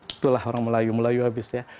itulah orang melayu melayu habis ya